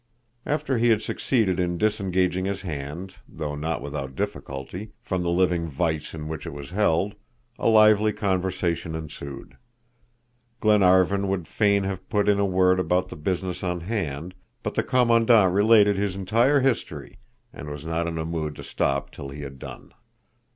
After he had succeeded in disengaging his hand, though not without difficulty, from the living vise in which it was held, a lively conversation ensued. Glenarvan would fain have put in a word about the business on hand, but the Commandant related his entire history, and was not in a mood to stop till he had done.